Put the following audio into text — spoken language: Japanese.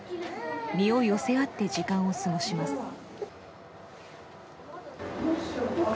身を寄せ合って時間を過ごします。